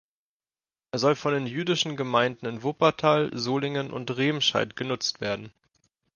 Er soll von den jüdischen Gemeinden in Wuppertal, Solingen und Remscheid genutzt werden.